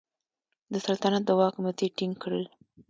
د سلطنت د واک مزي ټینګ کړل.